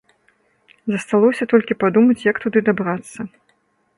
Засталося толькі падумаць, як туды дабрацца.